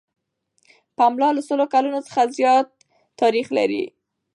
پملا له سلو کلونو څخه زیات تاریخ لري.